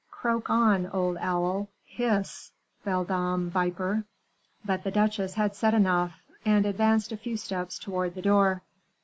"Croak on, old owl hiss, beldame viper." But the duchesse had said enough, and advanced a few steps towards the door.